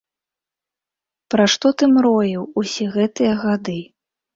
Пра што ты мроіў усе гэтыя гады?